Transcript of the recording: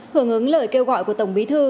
hưởng ứng lời kêu gọi của tổng bí thư